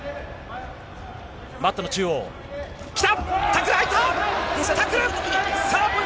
マットの中央、きた。